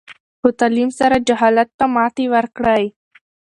په تعلیم سره جهالت ته ماتې ورکړئ.